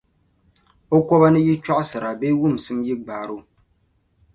O kɔba ni yi chɔɣisira bee wumsim yi gbaari o.